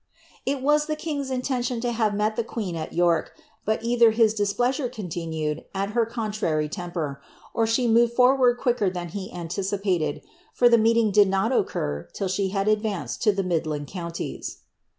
It was the king's intention lo have met the queen at York, but eiihcr liis displeasure continued, al her contrary temper, or she moved lbrHs;d quicker than he anticipated, for the meeting did not nol occur till she had adi anced to the midland counties.